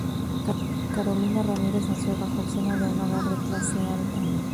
Carolina Ramírez nació bajo el seno de un hogar de clase alta.